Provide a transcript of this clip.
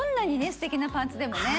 すてきなパンツでもね